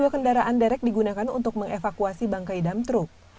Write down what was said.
dua kendaraan derek digunakan untuk mengevakuasi bangkai dam truk